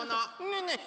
ねえねえ